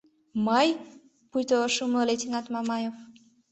— Мый?! — пуйто ыш умыло лейтенант Мамаев.